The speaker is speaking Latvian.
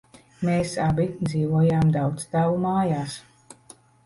Mēs abi dzīvojām daudzstāvu mājās.